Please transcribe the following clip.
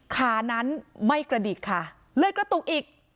ขานั้นไม่กระดิกค่ะเลยกระตุกอีก